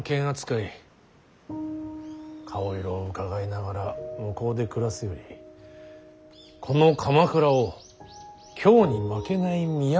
顔色をうかがいながら向こうで暮らすよりこの鎌倉を京に負けない都にすることに決めた。